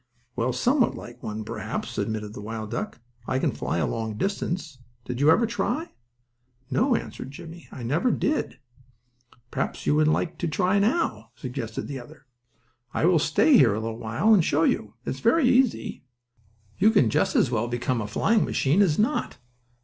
"Well, somewhat like one, perhaps," admitted the wild duck. "I can fly a long distance. Did you ever try?" "No," answered Jimmie; "I never did." "Perhaps you would like to try now," suggested the other. "I will stay here a little while, and show you. It is very easy. You can just as well become a flying machine as not.